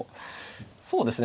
そうですね